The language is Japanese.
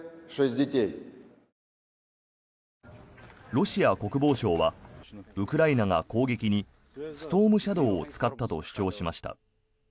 ロシア国防省はウクライナが攻撃にストームシャドーを使ったと主張しました。